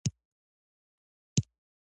د دې درې څخه یوه لاره دلخشک دغاښي